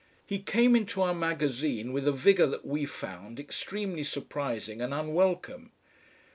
He came into our magazine with a vigour that we found extremely surprising and unwelcome.